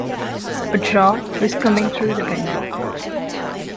A draught was coming through the window.